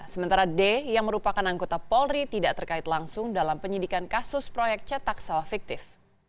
sementara d yang merupakan anggota polri tidak terkait langsung dalam penyidikan kasus proyek cetak sawah fiktif